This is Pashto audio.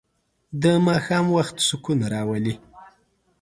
د ماښام وخت سکون راولي.